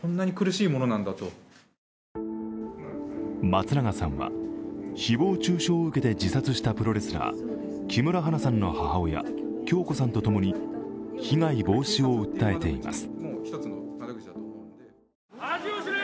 松永さんは誹謗中傷を受けて自殺したプロレスラー、木村花さんの母親、響子さんとともに被害防止を訴えています。